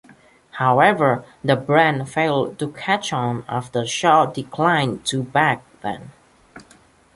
However, the brand failed to catch on after Shaw declined to back them.